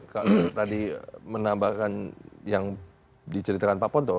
kalau tadi menambahkan yang diceritakan pak ponto